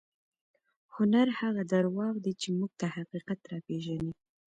هنر هغه درواغ دي چې موږ ته حقیقت راپېژني.